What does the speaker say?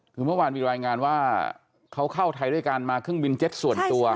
คือเมื่อวานมีรายงานว่าเขาเข้าไทยด้วยการมาเครื่องบินเจ็ตส่วนตัว